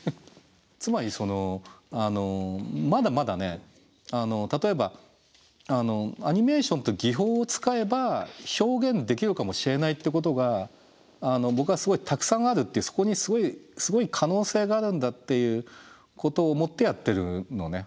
つまりそのまだまだね例えばアニメーションって技法を使えば表現できるかもしれないってことが僕はすごいたくさんあるってそこにすごい可能性があるんだっていうことを思ってやってるのね。